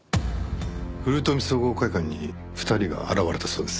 ふるとみ総合会館に２人が現れたそうです。